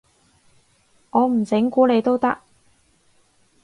我唔整蠱你都得